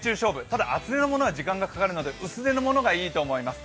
ただ厚手のものは時間がかかるので、薄手のものがいいと思います。